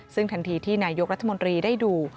ซึ่งทันทีที่นายกรัฐมนตรีได้ดู